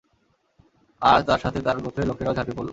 আর তার সাথে তার গোত্রের লোকেরাও ঝাঁপিয়ে পড়ল।